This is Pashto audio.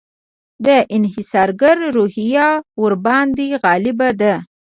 د انحصارګري روحیه ورباندې غالبه ده.